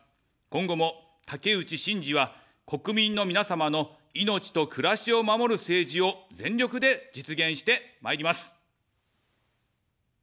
今後も、竹内しんじは、国民の皆様の命と暮らしを守る政治を全力で実現してまいります。